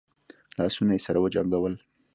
لاسونه يې سره وجنګول.